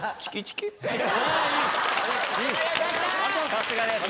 さすがです。